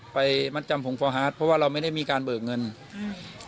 ไปมัดจำผงฟอร์ฮาร์ดเพราะว่าเราไม่ได้มีการเบิกเงินอืม